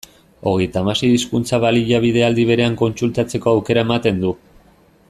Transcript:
Hogeita hamasei hizkuntza-baliabide aldi berean kontsultatzeko aukera ematen du.